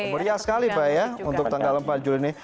meriah sekali pak ya untuk tanggal empat juli ini